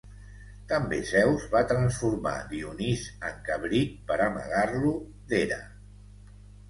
També Zeus va transformar Dionís en cabrit per amagar-lo d'Hera.